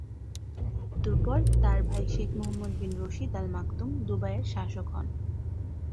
তার মৃত্যুর পর তার ভাই শেখ মোহাম্মদ বিন রশিদ আল মাকতুম দুবাইয়ের শাসক হন।